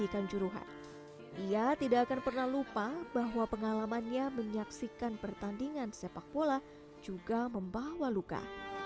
dia juga pernah menjelaskan bahwa dia tidak akan pernah lupa bahwa pengalamannya menyaksikan pertandingan sepak bola juga membawa luka